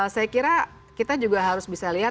saya kira kita juga harus bisa lihat